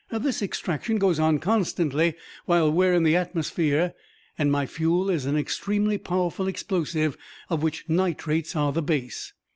This extraction goes on constantly while we are in the atmosphere and my fuel is an extremely powerful explosive of which nitrates are the base.